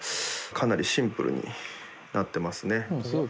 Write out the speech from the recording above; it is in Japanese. かなりシンプルになってますね。